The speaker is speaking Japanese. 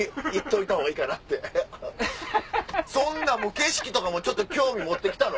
景色とかもちょっと興味持って来たの？